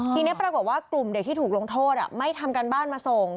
ทีนี้ปรากฏว่ากลุ่มเด็กที่ถูกลงโทษไม่ทำการบ้านมาส่ง